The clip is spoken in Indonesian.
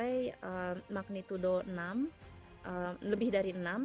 jadi kita mencapai magnitudo enam lebih dari enam